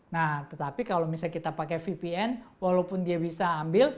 nah tetapi kalau misalnya kita pakai vpn walaupun dia bisa ambil